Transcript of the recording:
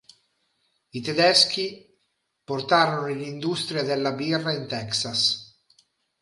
I tedeschi portarono l'industria della birra in Texas.